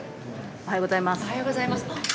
おはようございます。